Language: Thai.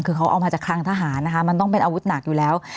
คือเขาเอามาจากคลังทหารนะคะมันต้องเป็นอาวุธหนักอยู่แล้ว